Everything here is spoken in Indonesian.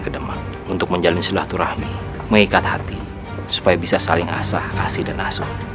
ke demak untuk menjalin silaturahmi mengikat hati supaya bisa saling asah kasih dan asuh